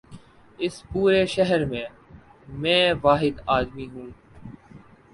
اس پورے شہر میں، میں واحد آدمی ہوں۔